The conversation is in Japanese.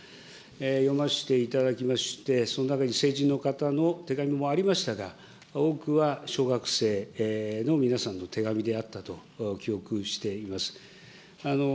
読ませていただきまして、その中に成人の方の手紙もありましたが、多くは小学生の皆さんの手紙であったと記憶しています。